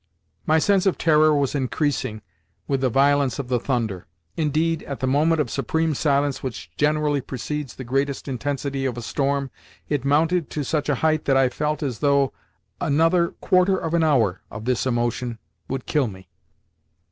My sense of terror was increasing with the violence of the thunder. Indeed, at the moment of supreme silence which generally precedes the greatest intensity of a storm, it mounted to such a height that I felt as though another quarter of an hour of this emotion would kill me.